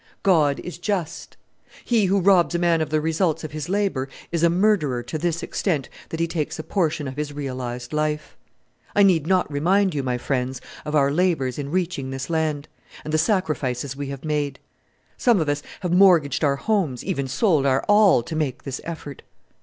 "God is just. He who robs a man of the results of his labour is a murderer to this extent that he takes a portion of his realized life. I need not remind you, my friends, of our labours in reaching this land, and the sacrifices we have made. Some of us have mortgaged our homes, even sold our all, to make this effort.